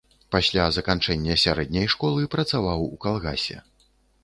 Пасля заканчэння сярэдняй школы працаваў у калгасе.